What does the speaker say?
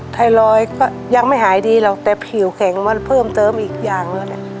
ไทรอยด์ก็ยังไม่หายดีหรอกแต่ผิวแข็งมันเพิ่มเติมอีกอย่างหนึ่ง